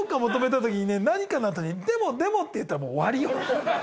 何かのあとに「でもでも」って言ったら終わりよ